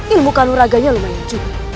ilmu kanuraganya lumayan juga